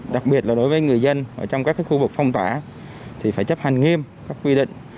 đặc biệt là đối với người dân trong các khu vực phong tỏa thì phải chấp hành nghiêm các quy định